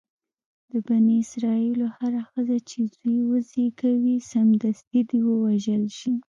د بني اسرایلو هره ښځه چې زوی وزېږوي سمدستي دې ووژل شي.